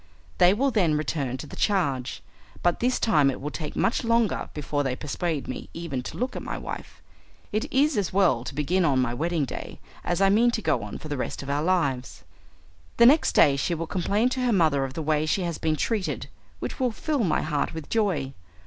They will then return to the charge, but this time it will take much longer before they persuade me even to look at my wife. It is as well to begin on my wedding day as I mean to go on for the rest of our lives. The next day she will complain to her mother of the way she has been treated, which will fill my heart with joy.